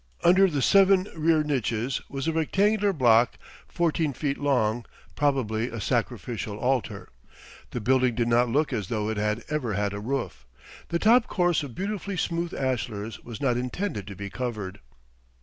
Under the seven rear niches was a rectangular block fourteen feet long, probably a sacrificial altar. The building did not look as though it had ever had a roof. The top course of beautifully smooth ashlars was not intended to be covered.